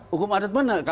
hukum adat mana